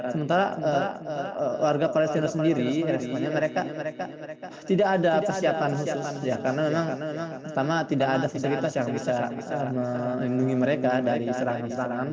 sementara warga perwetusan sendiri mereka tidak ada persiapan khusus karena memang pertama tidak ada fasilitas yang bisa mengundungi mereka dari serangan serangan